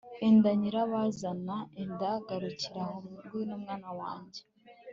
enda nyirabazana, enda garukira aho ngwino mwana wanjye